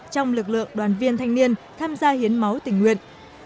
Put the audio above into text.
trong lực lượng đoàn viên thanh niên tham gia hiến máu tình nguyện